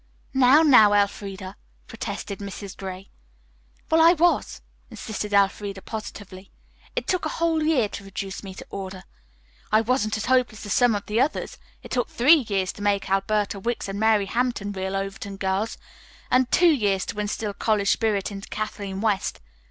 "Now, now, Elfreda," protested Mrs. Gray. "Well, I was," insisted Elfreda positively. "It took a whole year to reduce me to order. I wasn't as hopeless as some of the others. It took three years to make Alberta Wicks and Mary Hampton real Overton girls, and two years to instil college spirit into Kathleen West.